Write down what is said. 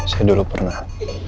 saya dulu pernah